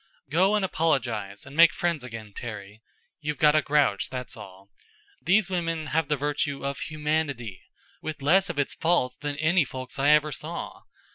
"Go and apologize and make friends again, Terry. You've got a grouch, that's all. These women have the virtue of humanity, with less of its faults than any folks I ever saw.